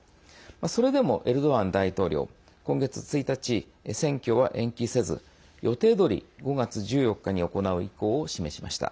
それでも、エルドアン大統領今月１日、選挙は延期せず予定どおり５月１４日に行う意向を示しました。